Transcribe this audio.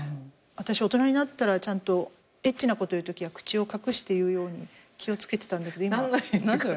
私大人になったらちゃんとエッチなこと言うときは口を隠して言うように気を付けてたんだけど今。